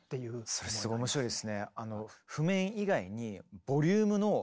それすごい面白いですね。